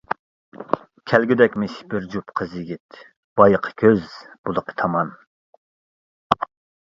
كەلگۈدەكمىش بىر جۈپ قىز-يىگىت، بايىقى كۆز بۇلىقى تامان.